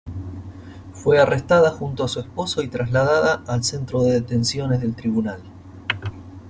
Fue arrestada junto a su esposo y trasladada al centro de detenciones del Tribunal.